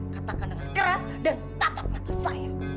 katakan dengan keras dan tatap mata saya